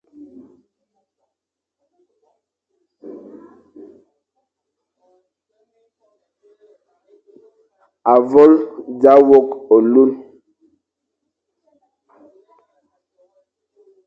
A vôl dia wôkh ôlun,